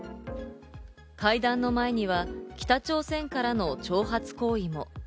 会談の前には北朝鮮からの挑発行為も。